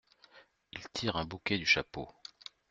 Il tire un bouquet du chapeau.